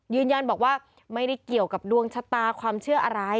ยืนยันบอกว่าไม่ได้เกี่ยวกับดวงชะตาความเชื่ออะไร